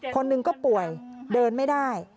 คนหนึ่งก็ป่วยเดินไม่ได้